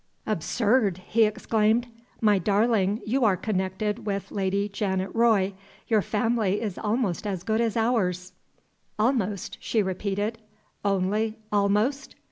"Absurd!" he exclaimed. "My darling, you are connected with Lady Janet Roy. Your family is almost as good as ours." "Almost?" she repeated. "Only almost?"